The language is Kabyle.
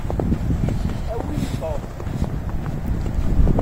Awim Tom.